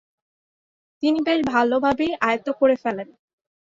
তিনি বেশ ভালো ভাবেই আয়ত্ত করে ফেলেন।